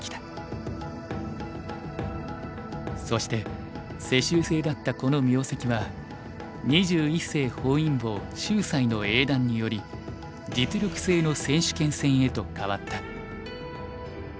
そして世襲制だったこの名跡は二十一世本因坊秀哉の英断により実力制の選手権戦へと変わった。